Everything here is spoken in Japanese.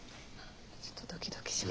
ちょっとドキドキします。